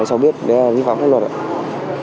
vi phạm pháp luật sao mình vẫn cố tình tham gia